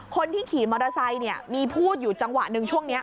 คนที่ขี่มอเตอร์ไซค์มีพูดอยู่จังหวะหนึ่งช่วงนี้